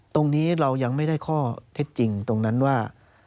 ตรงนี้เรายังไม่ได้ข้อเท็จจริงตรงนั้นว่า